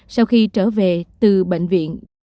sau khi trở về từ bệnh viện